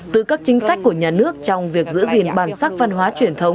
từ các chính sách của nhà nước trong việc giữ gìn bản sắc văn hóa truyền thống